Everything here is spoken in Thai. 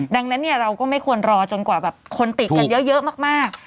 ดังนั้นเนี่ยเราก็ไม่ควรรอจนกว่าแบบคนติดกันเยอะมาก